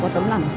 không có tấm lặng